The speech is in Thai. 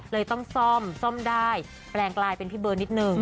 เลยต้องซ่อมซ่อมได้แปลงกลายเป็นพี่เบิร์นิดนึง